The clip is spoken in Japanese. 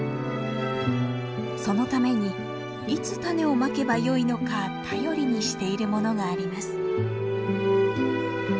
そのために「いつ種をまけばよいのか」頼りにしているものがあります。